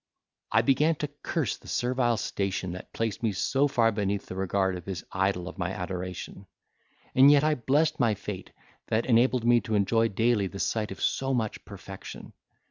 I began to curse the servile station that placed me so far beneath the regard of this idol of my adoration! and yet I blessed my fate, that enabled me to enjoy daily the sight of so much perfection!